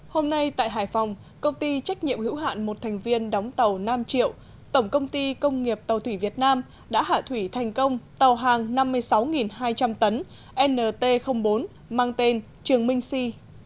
hôm nay tại hải phòng công ty trách nhiệm hữu hạn một thành viên đóng tàu nam triệu tổng công ty công nghiệp tàu thủy việt nam đã hạ thủy thành công tàu hàng năm mươi sáu hai trăm linh tấn nt bốn mang tên trường minh si